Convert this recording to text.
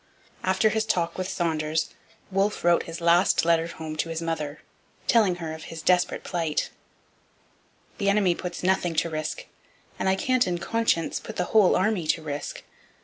After his talk with Saunders Wolfe wrote his last letter home to his mother, telling her of his desperate plight: The enemy puts nothing to risk, and I can't in conscience put the whole army to risk.